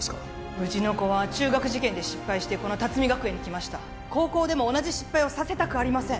うちの子は中学受験で失敗してこの龍海学園に来ました高校でも同じ失敗をさせたくありません！